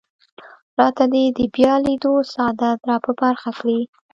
راته دې د بیا لیدو سعادت را په برخه کړي.